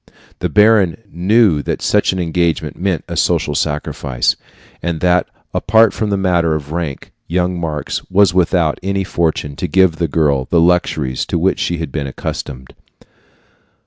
The baron knew that such an engagement meant a social sacrifice, and that, apart from the matter of rank, young Marx was without any fortune to give the girl the luxuries to which she had been accustomed.